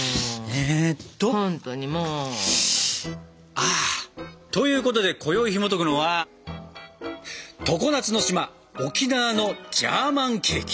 あということでこよいひもとくのは「常夏の島沖縄のジャーマンケーキ」。